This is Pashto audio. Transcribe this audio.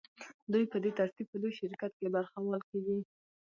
دوی په دې ترتیب په لوی شرکت کې برخوال کېږي